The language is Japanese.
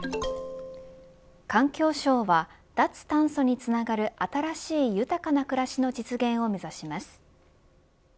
環境省は脱炭素につながる新しい豊かな暮らしの実現を目指します。